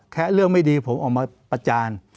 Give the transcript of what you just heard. แค่เรื่องไม่ดีผมออกมาประจาน